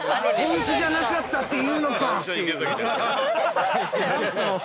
◆本気じゃなかったって言うのか。